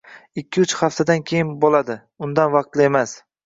Ikki-uch haftadan keyin bo`ladi, undan vaqtli emas